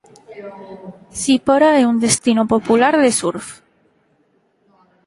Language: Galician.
Sipora é un destino popular de surf.